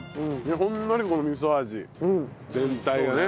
ほんのりこの味噌味全体がね。